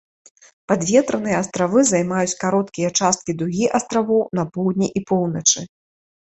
Падветраныя астравы займаюць кароткія часткі дугі астравоў на поўдні і поўначы.